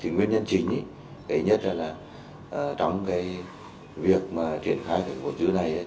nguyên nhân chính cái nhất là trong việc triển khai vốn dư này